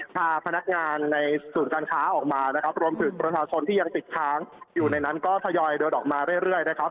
พาพนักงานในศูนย์การค้าออกมานะครับรวมถึงประชาชนที่ยังติดค้างอยู่ในนั้นก็ทยอยเดินออกมาเรื่อยนะครับ